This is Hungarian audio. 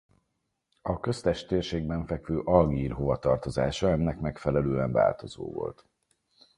A köztes térségben fekvő Algír hovatartozása ennek megfelelően változó volt.